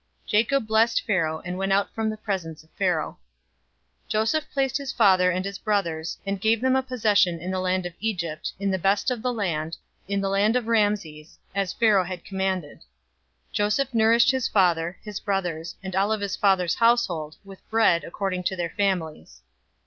047:010 Jacob blessed Pharaoh, and went out from the presence of Pharaoh. 047:011 Joseph placed his father and his brothers, and gave them a possession in the land of Egypt, in the best of the land, in the land of Rameses, as Pharaoh had commanded. 047:012 Joseph nourished his father, his brothers, and all of his father's household, with bread, according to their families.